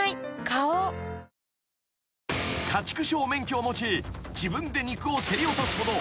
花王［家畜商免許を持ち自分で肉を競り落とすほど］